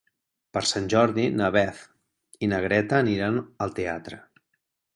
Per Sant Jordi na Beth i na Greta aniran al teatre.